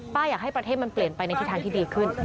อยากให้ประเทศมันเปลี่ยนไปในทิศทางที่ดีขึ้น